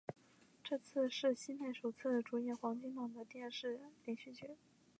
这次是西内首次主演黄金档的电视连续剧。